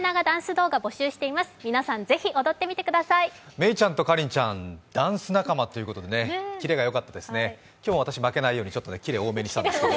めいちゃんとかりんちゃん、ダンス仲間ということでね、キレがよかったですね、今日は私、負けないように、キレ多めにしたんです。